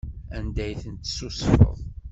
Anda ay ten-tessusfeḍ?